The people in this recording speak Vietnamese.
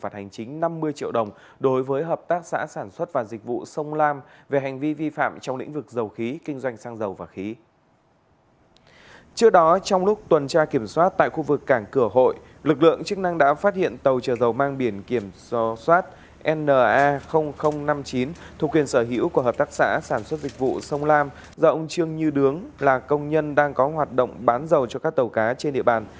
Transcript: trong tuần tra kiểm soát tại khu vực cảng cửa hội lực lượng chức năng đã phát hiện tàu chở dầu mang biển kiểm soát na năm mươi chín thuộc quyền sở hữu của hợp tác xã sản xuất dịch vụ sông lam do ông trương như đướng là công nhân đang có hoạt động bán dầu cho các tàu cá trên địa bàn